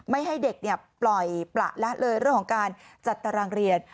ไม่ให้เด็กปล่อยประละเลยเรื่องของการจัดตารางเรียน